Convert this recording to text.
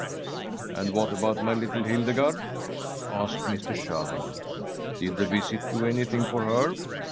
"And what about my little Hildegarde?" asked Mr. Sherman. "Did the visit do anything for her?"